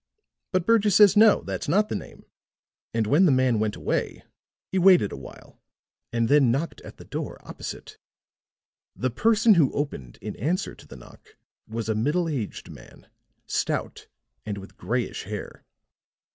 "But Burgess says no, that's not the name. And when the man went away he waited a while, and then knocked at the door opposite. The person who opened in answer to the knock was a middle aged man, stout and with grayish hair.